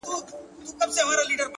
نیک عمل له یادونو اوږد عمر لري,